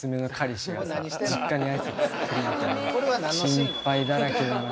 心配だらけだな。